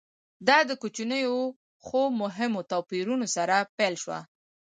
دا د کوچنیو خو مهمو توپیرونو سره پیل شوه